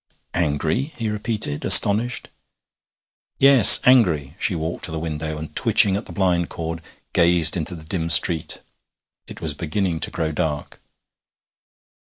'Angry?' he repeated, astonished. 'Yes, angry.' She walked to the window, and, twitching at the blind cord, gazed into the dim street. It was beginning to grow dark.